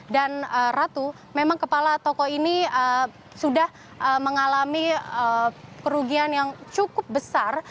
dan ratu memang kepala toko ini sudah mengalami kerugian yang cukup besar